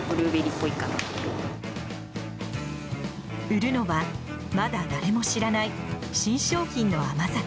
売るのはまだ誰も知らない新商品の甘酒。